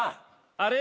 あれ？